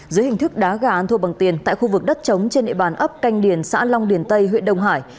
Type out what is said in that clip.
dưới hình thức đá gà ăn thua bằng tiền tại khu vực đất trống trên địa bàn ấp canh điền xã long điền tây huyện đông hải